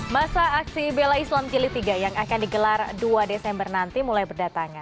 masa aksi bela islam jili tiga yang akan digelar dua desember nanti mulai berdatangan